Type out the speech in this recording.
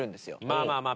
まあまあま